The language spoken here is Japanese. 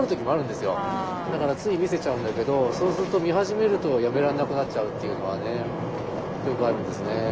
だからつい見せちゃうんだけどそうすると見始めるとやめられなくなっちゃうっていうのはねよくあるんですね。